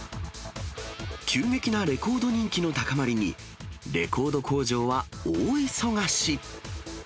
急激なレコード人気の高まりに、レコード工場は大忙し。